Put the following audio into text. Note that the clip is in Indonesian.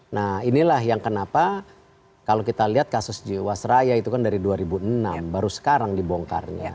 nah inilah yang kenapa kalau kita lihat kasus jiwasraya itu kan dari dua ribu enam baru sekarang dibongkarnya